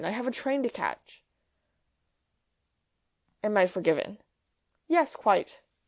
I have a train to catch." "Am I forgiven?" "Yes; quite."